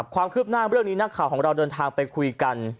ความคืบหน้าเรื่องนี้นักข่าวของเราเดินทางไปคุยกัน